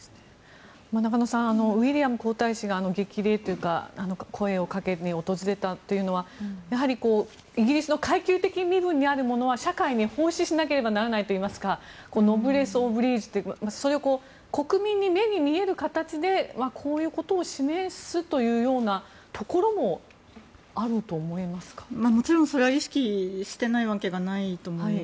中野さんウィリアム皇太子が激励というか声をかけに訪れたというのはやはり、イギリスの階級的に身分にあるものは社会に奉仕しなければならないといいますからノブレス・オブリージュというそれを国民の目に見える形でこういう形で示すところももちろんそれは意識してないわけがないと思います。